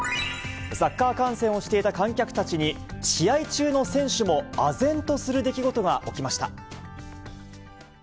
サッカー観戦をしていた観客たちに、試合中の選手もあぜんとする出来事が起きました。